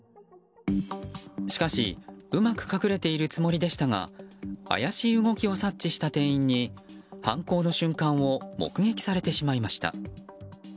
しかしうまく隠れているつもりでしたが怪しい動きを察知した店員に犯行の瞬間を目撃されてしまいました。